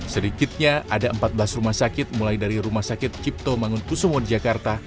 sedikitnya ada empat belas rumah sakit mulai dari rumah sakit cipto mangunkusumo jakarta